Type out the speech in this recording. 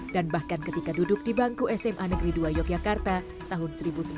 dan bahkan ketika duduk di bangku sma negeri dua yogyakarta tahun seribu sembilan ratus delapan puluh lima